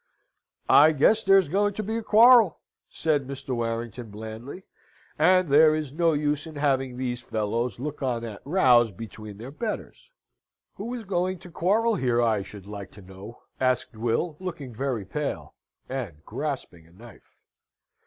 "I guess there's going to be a quarrel," said Mr. Warrington, blandly, "and there is no use in having these fellows look on at rows between their betters." "Who is going to quarrel here, I should like to know?" asked Will, looking very pale, and grasping a knife.